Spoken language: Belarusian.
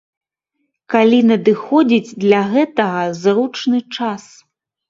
Калі надыходзіць для гэтага зручны час.